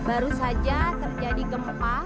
baru saja terjadi gempa